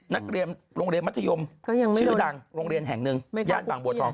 นักเรียนโรงเรียนมัธยมชื่อดังโรงเรียนแห่งหนึ่งย่านบางบัวทอง